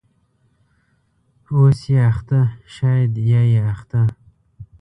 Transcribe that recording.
.اوسې اخته شاید یا یې اخته